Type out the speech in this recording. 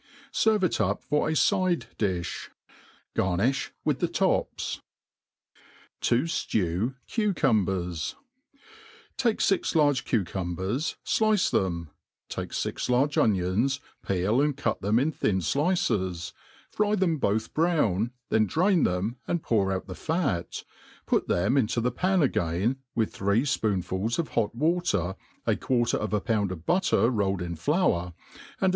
Serre it up for a fide^ iHbi. (MrnUh with the tops. Tojflew Cucumbers, ^TAKE fix large cucumbers, flice them ; take fix large oniohs^ peer and cut them in thin flices, fry them both brown^ then drain them and pout out the fat, put them into the pan again^ with three fpoonfuls of hot water, a quarter of a pound of butter rolled in floury and a.